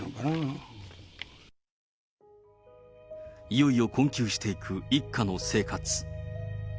いよいよ困窮していく一家の生活。